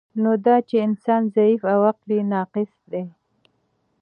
نو دا چی انسان ضعیف او عقل یی ناقص دی